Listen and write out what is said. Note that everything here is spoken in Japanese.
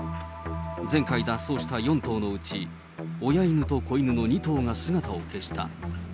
前回脱走した４頭のうち、親犬と子犬の２頭が姿を消した。